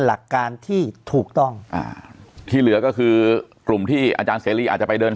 หลักการที่ถูกต้องอ่าที่เหลือก็คือกลุ่มที่อาจารย์เสรีอาจจะไปเดิน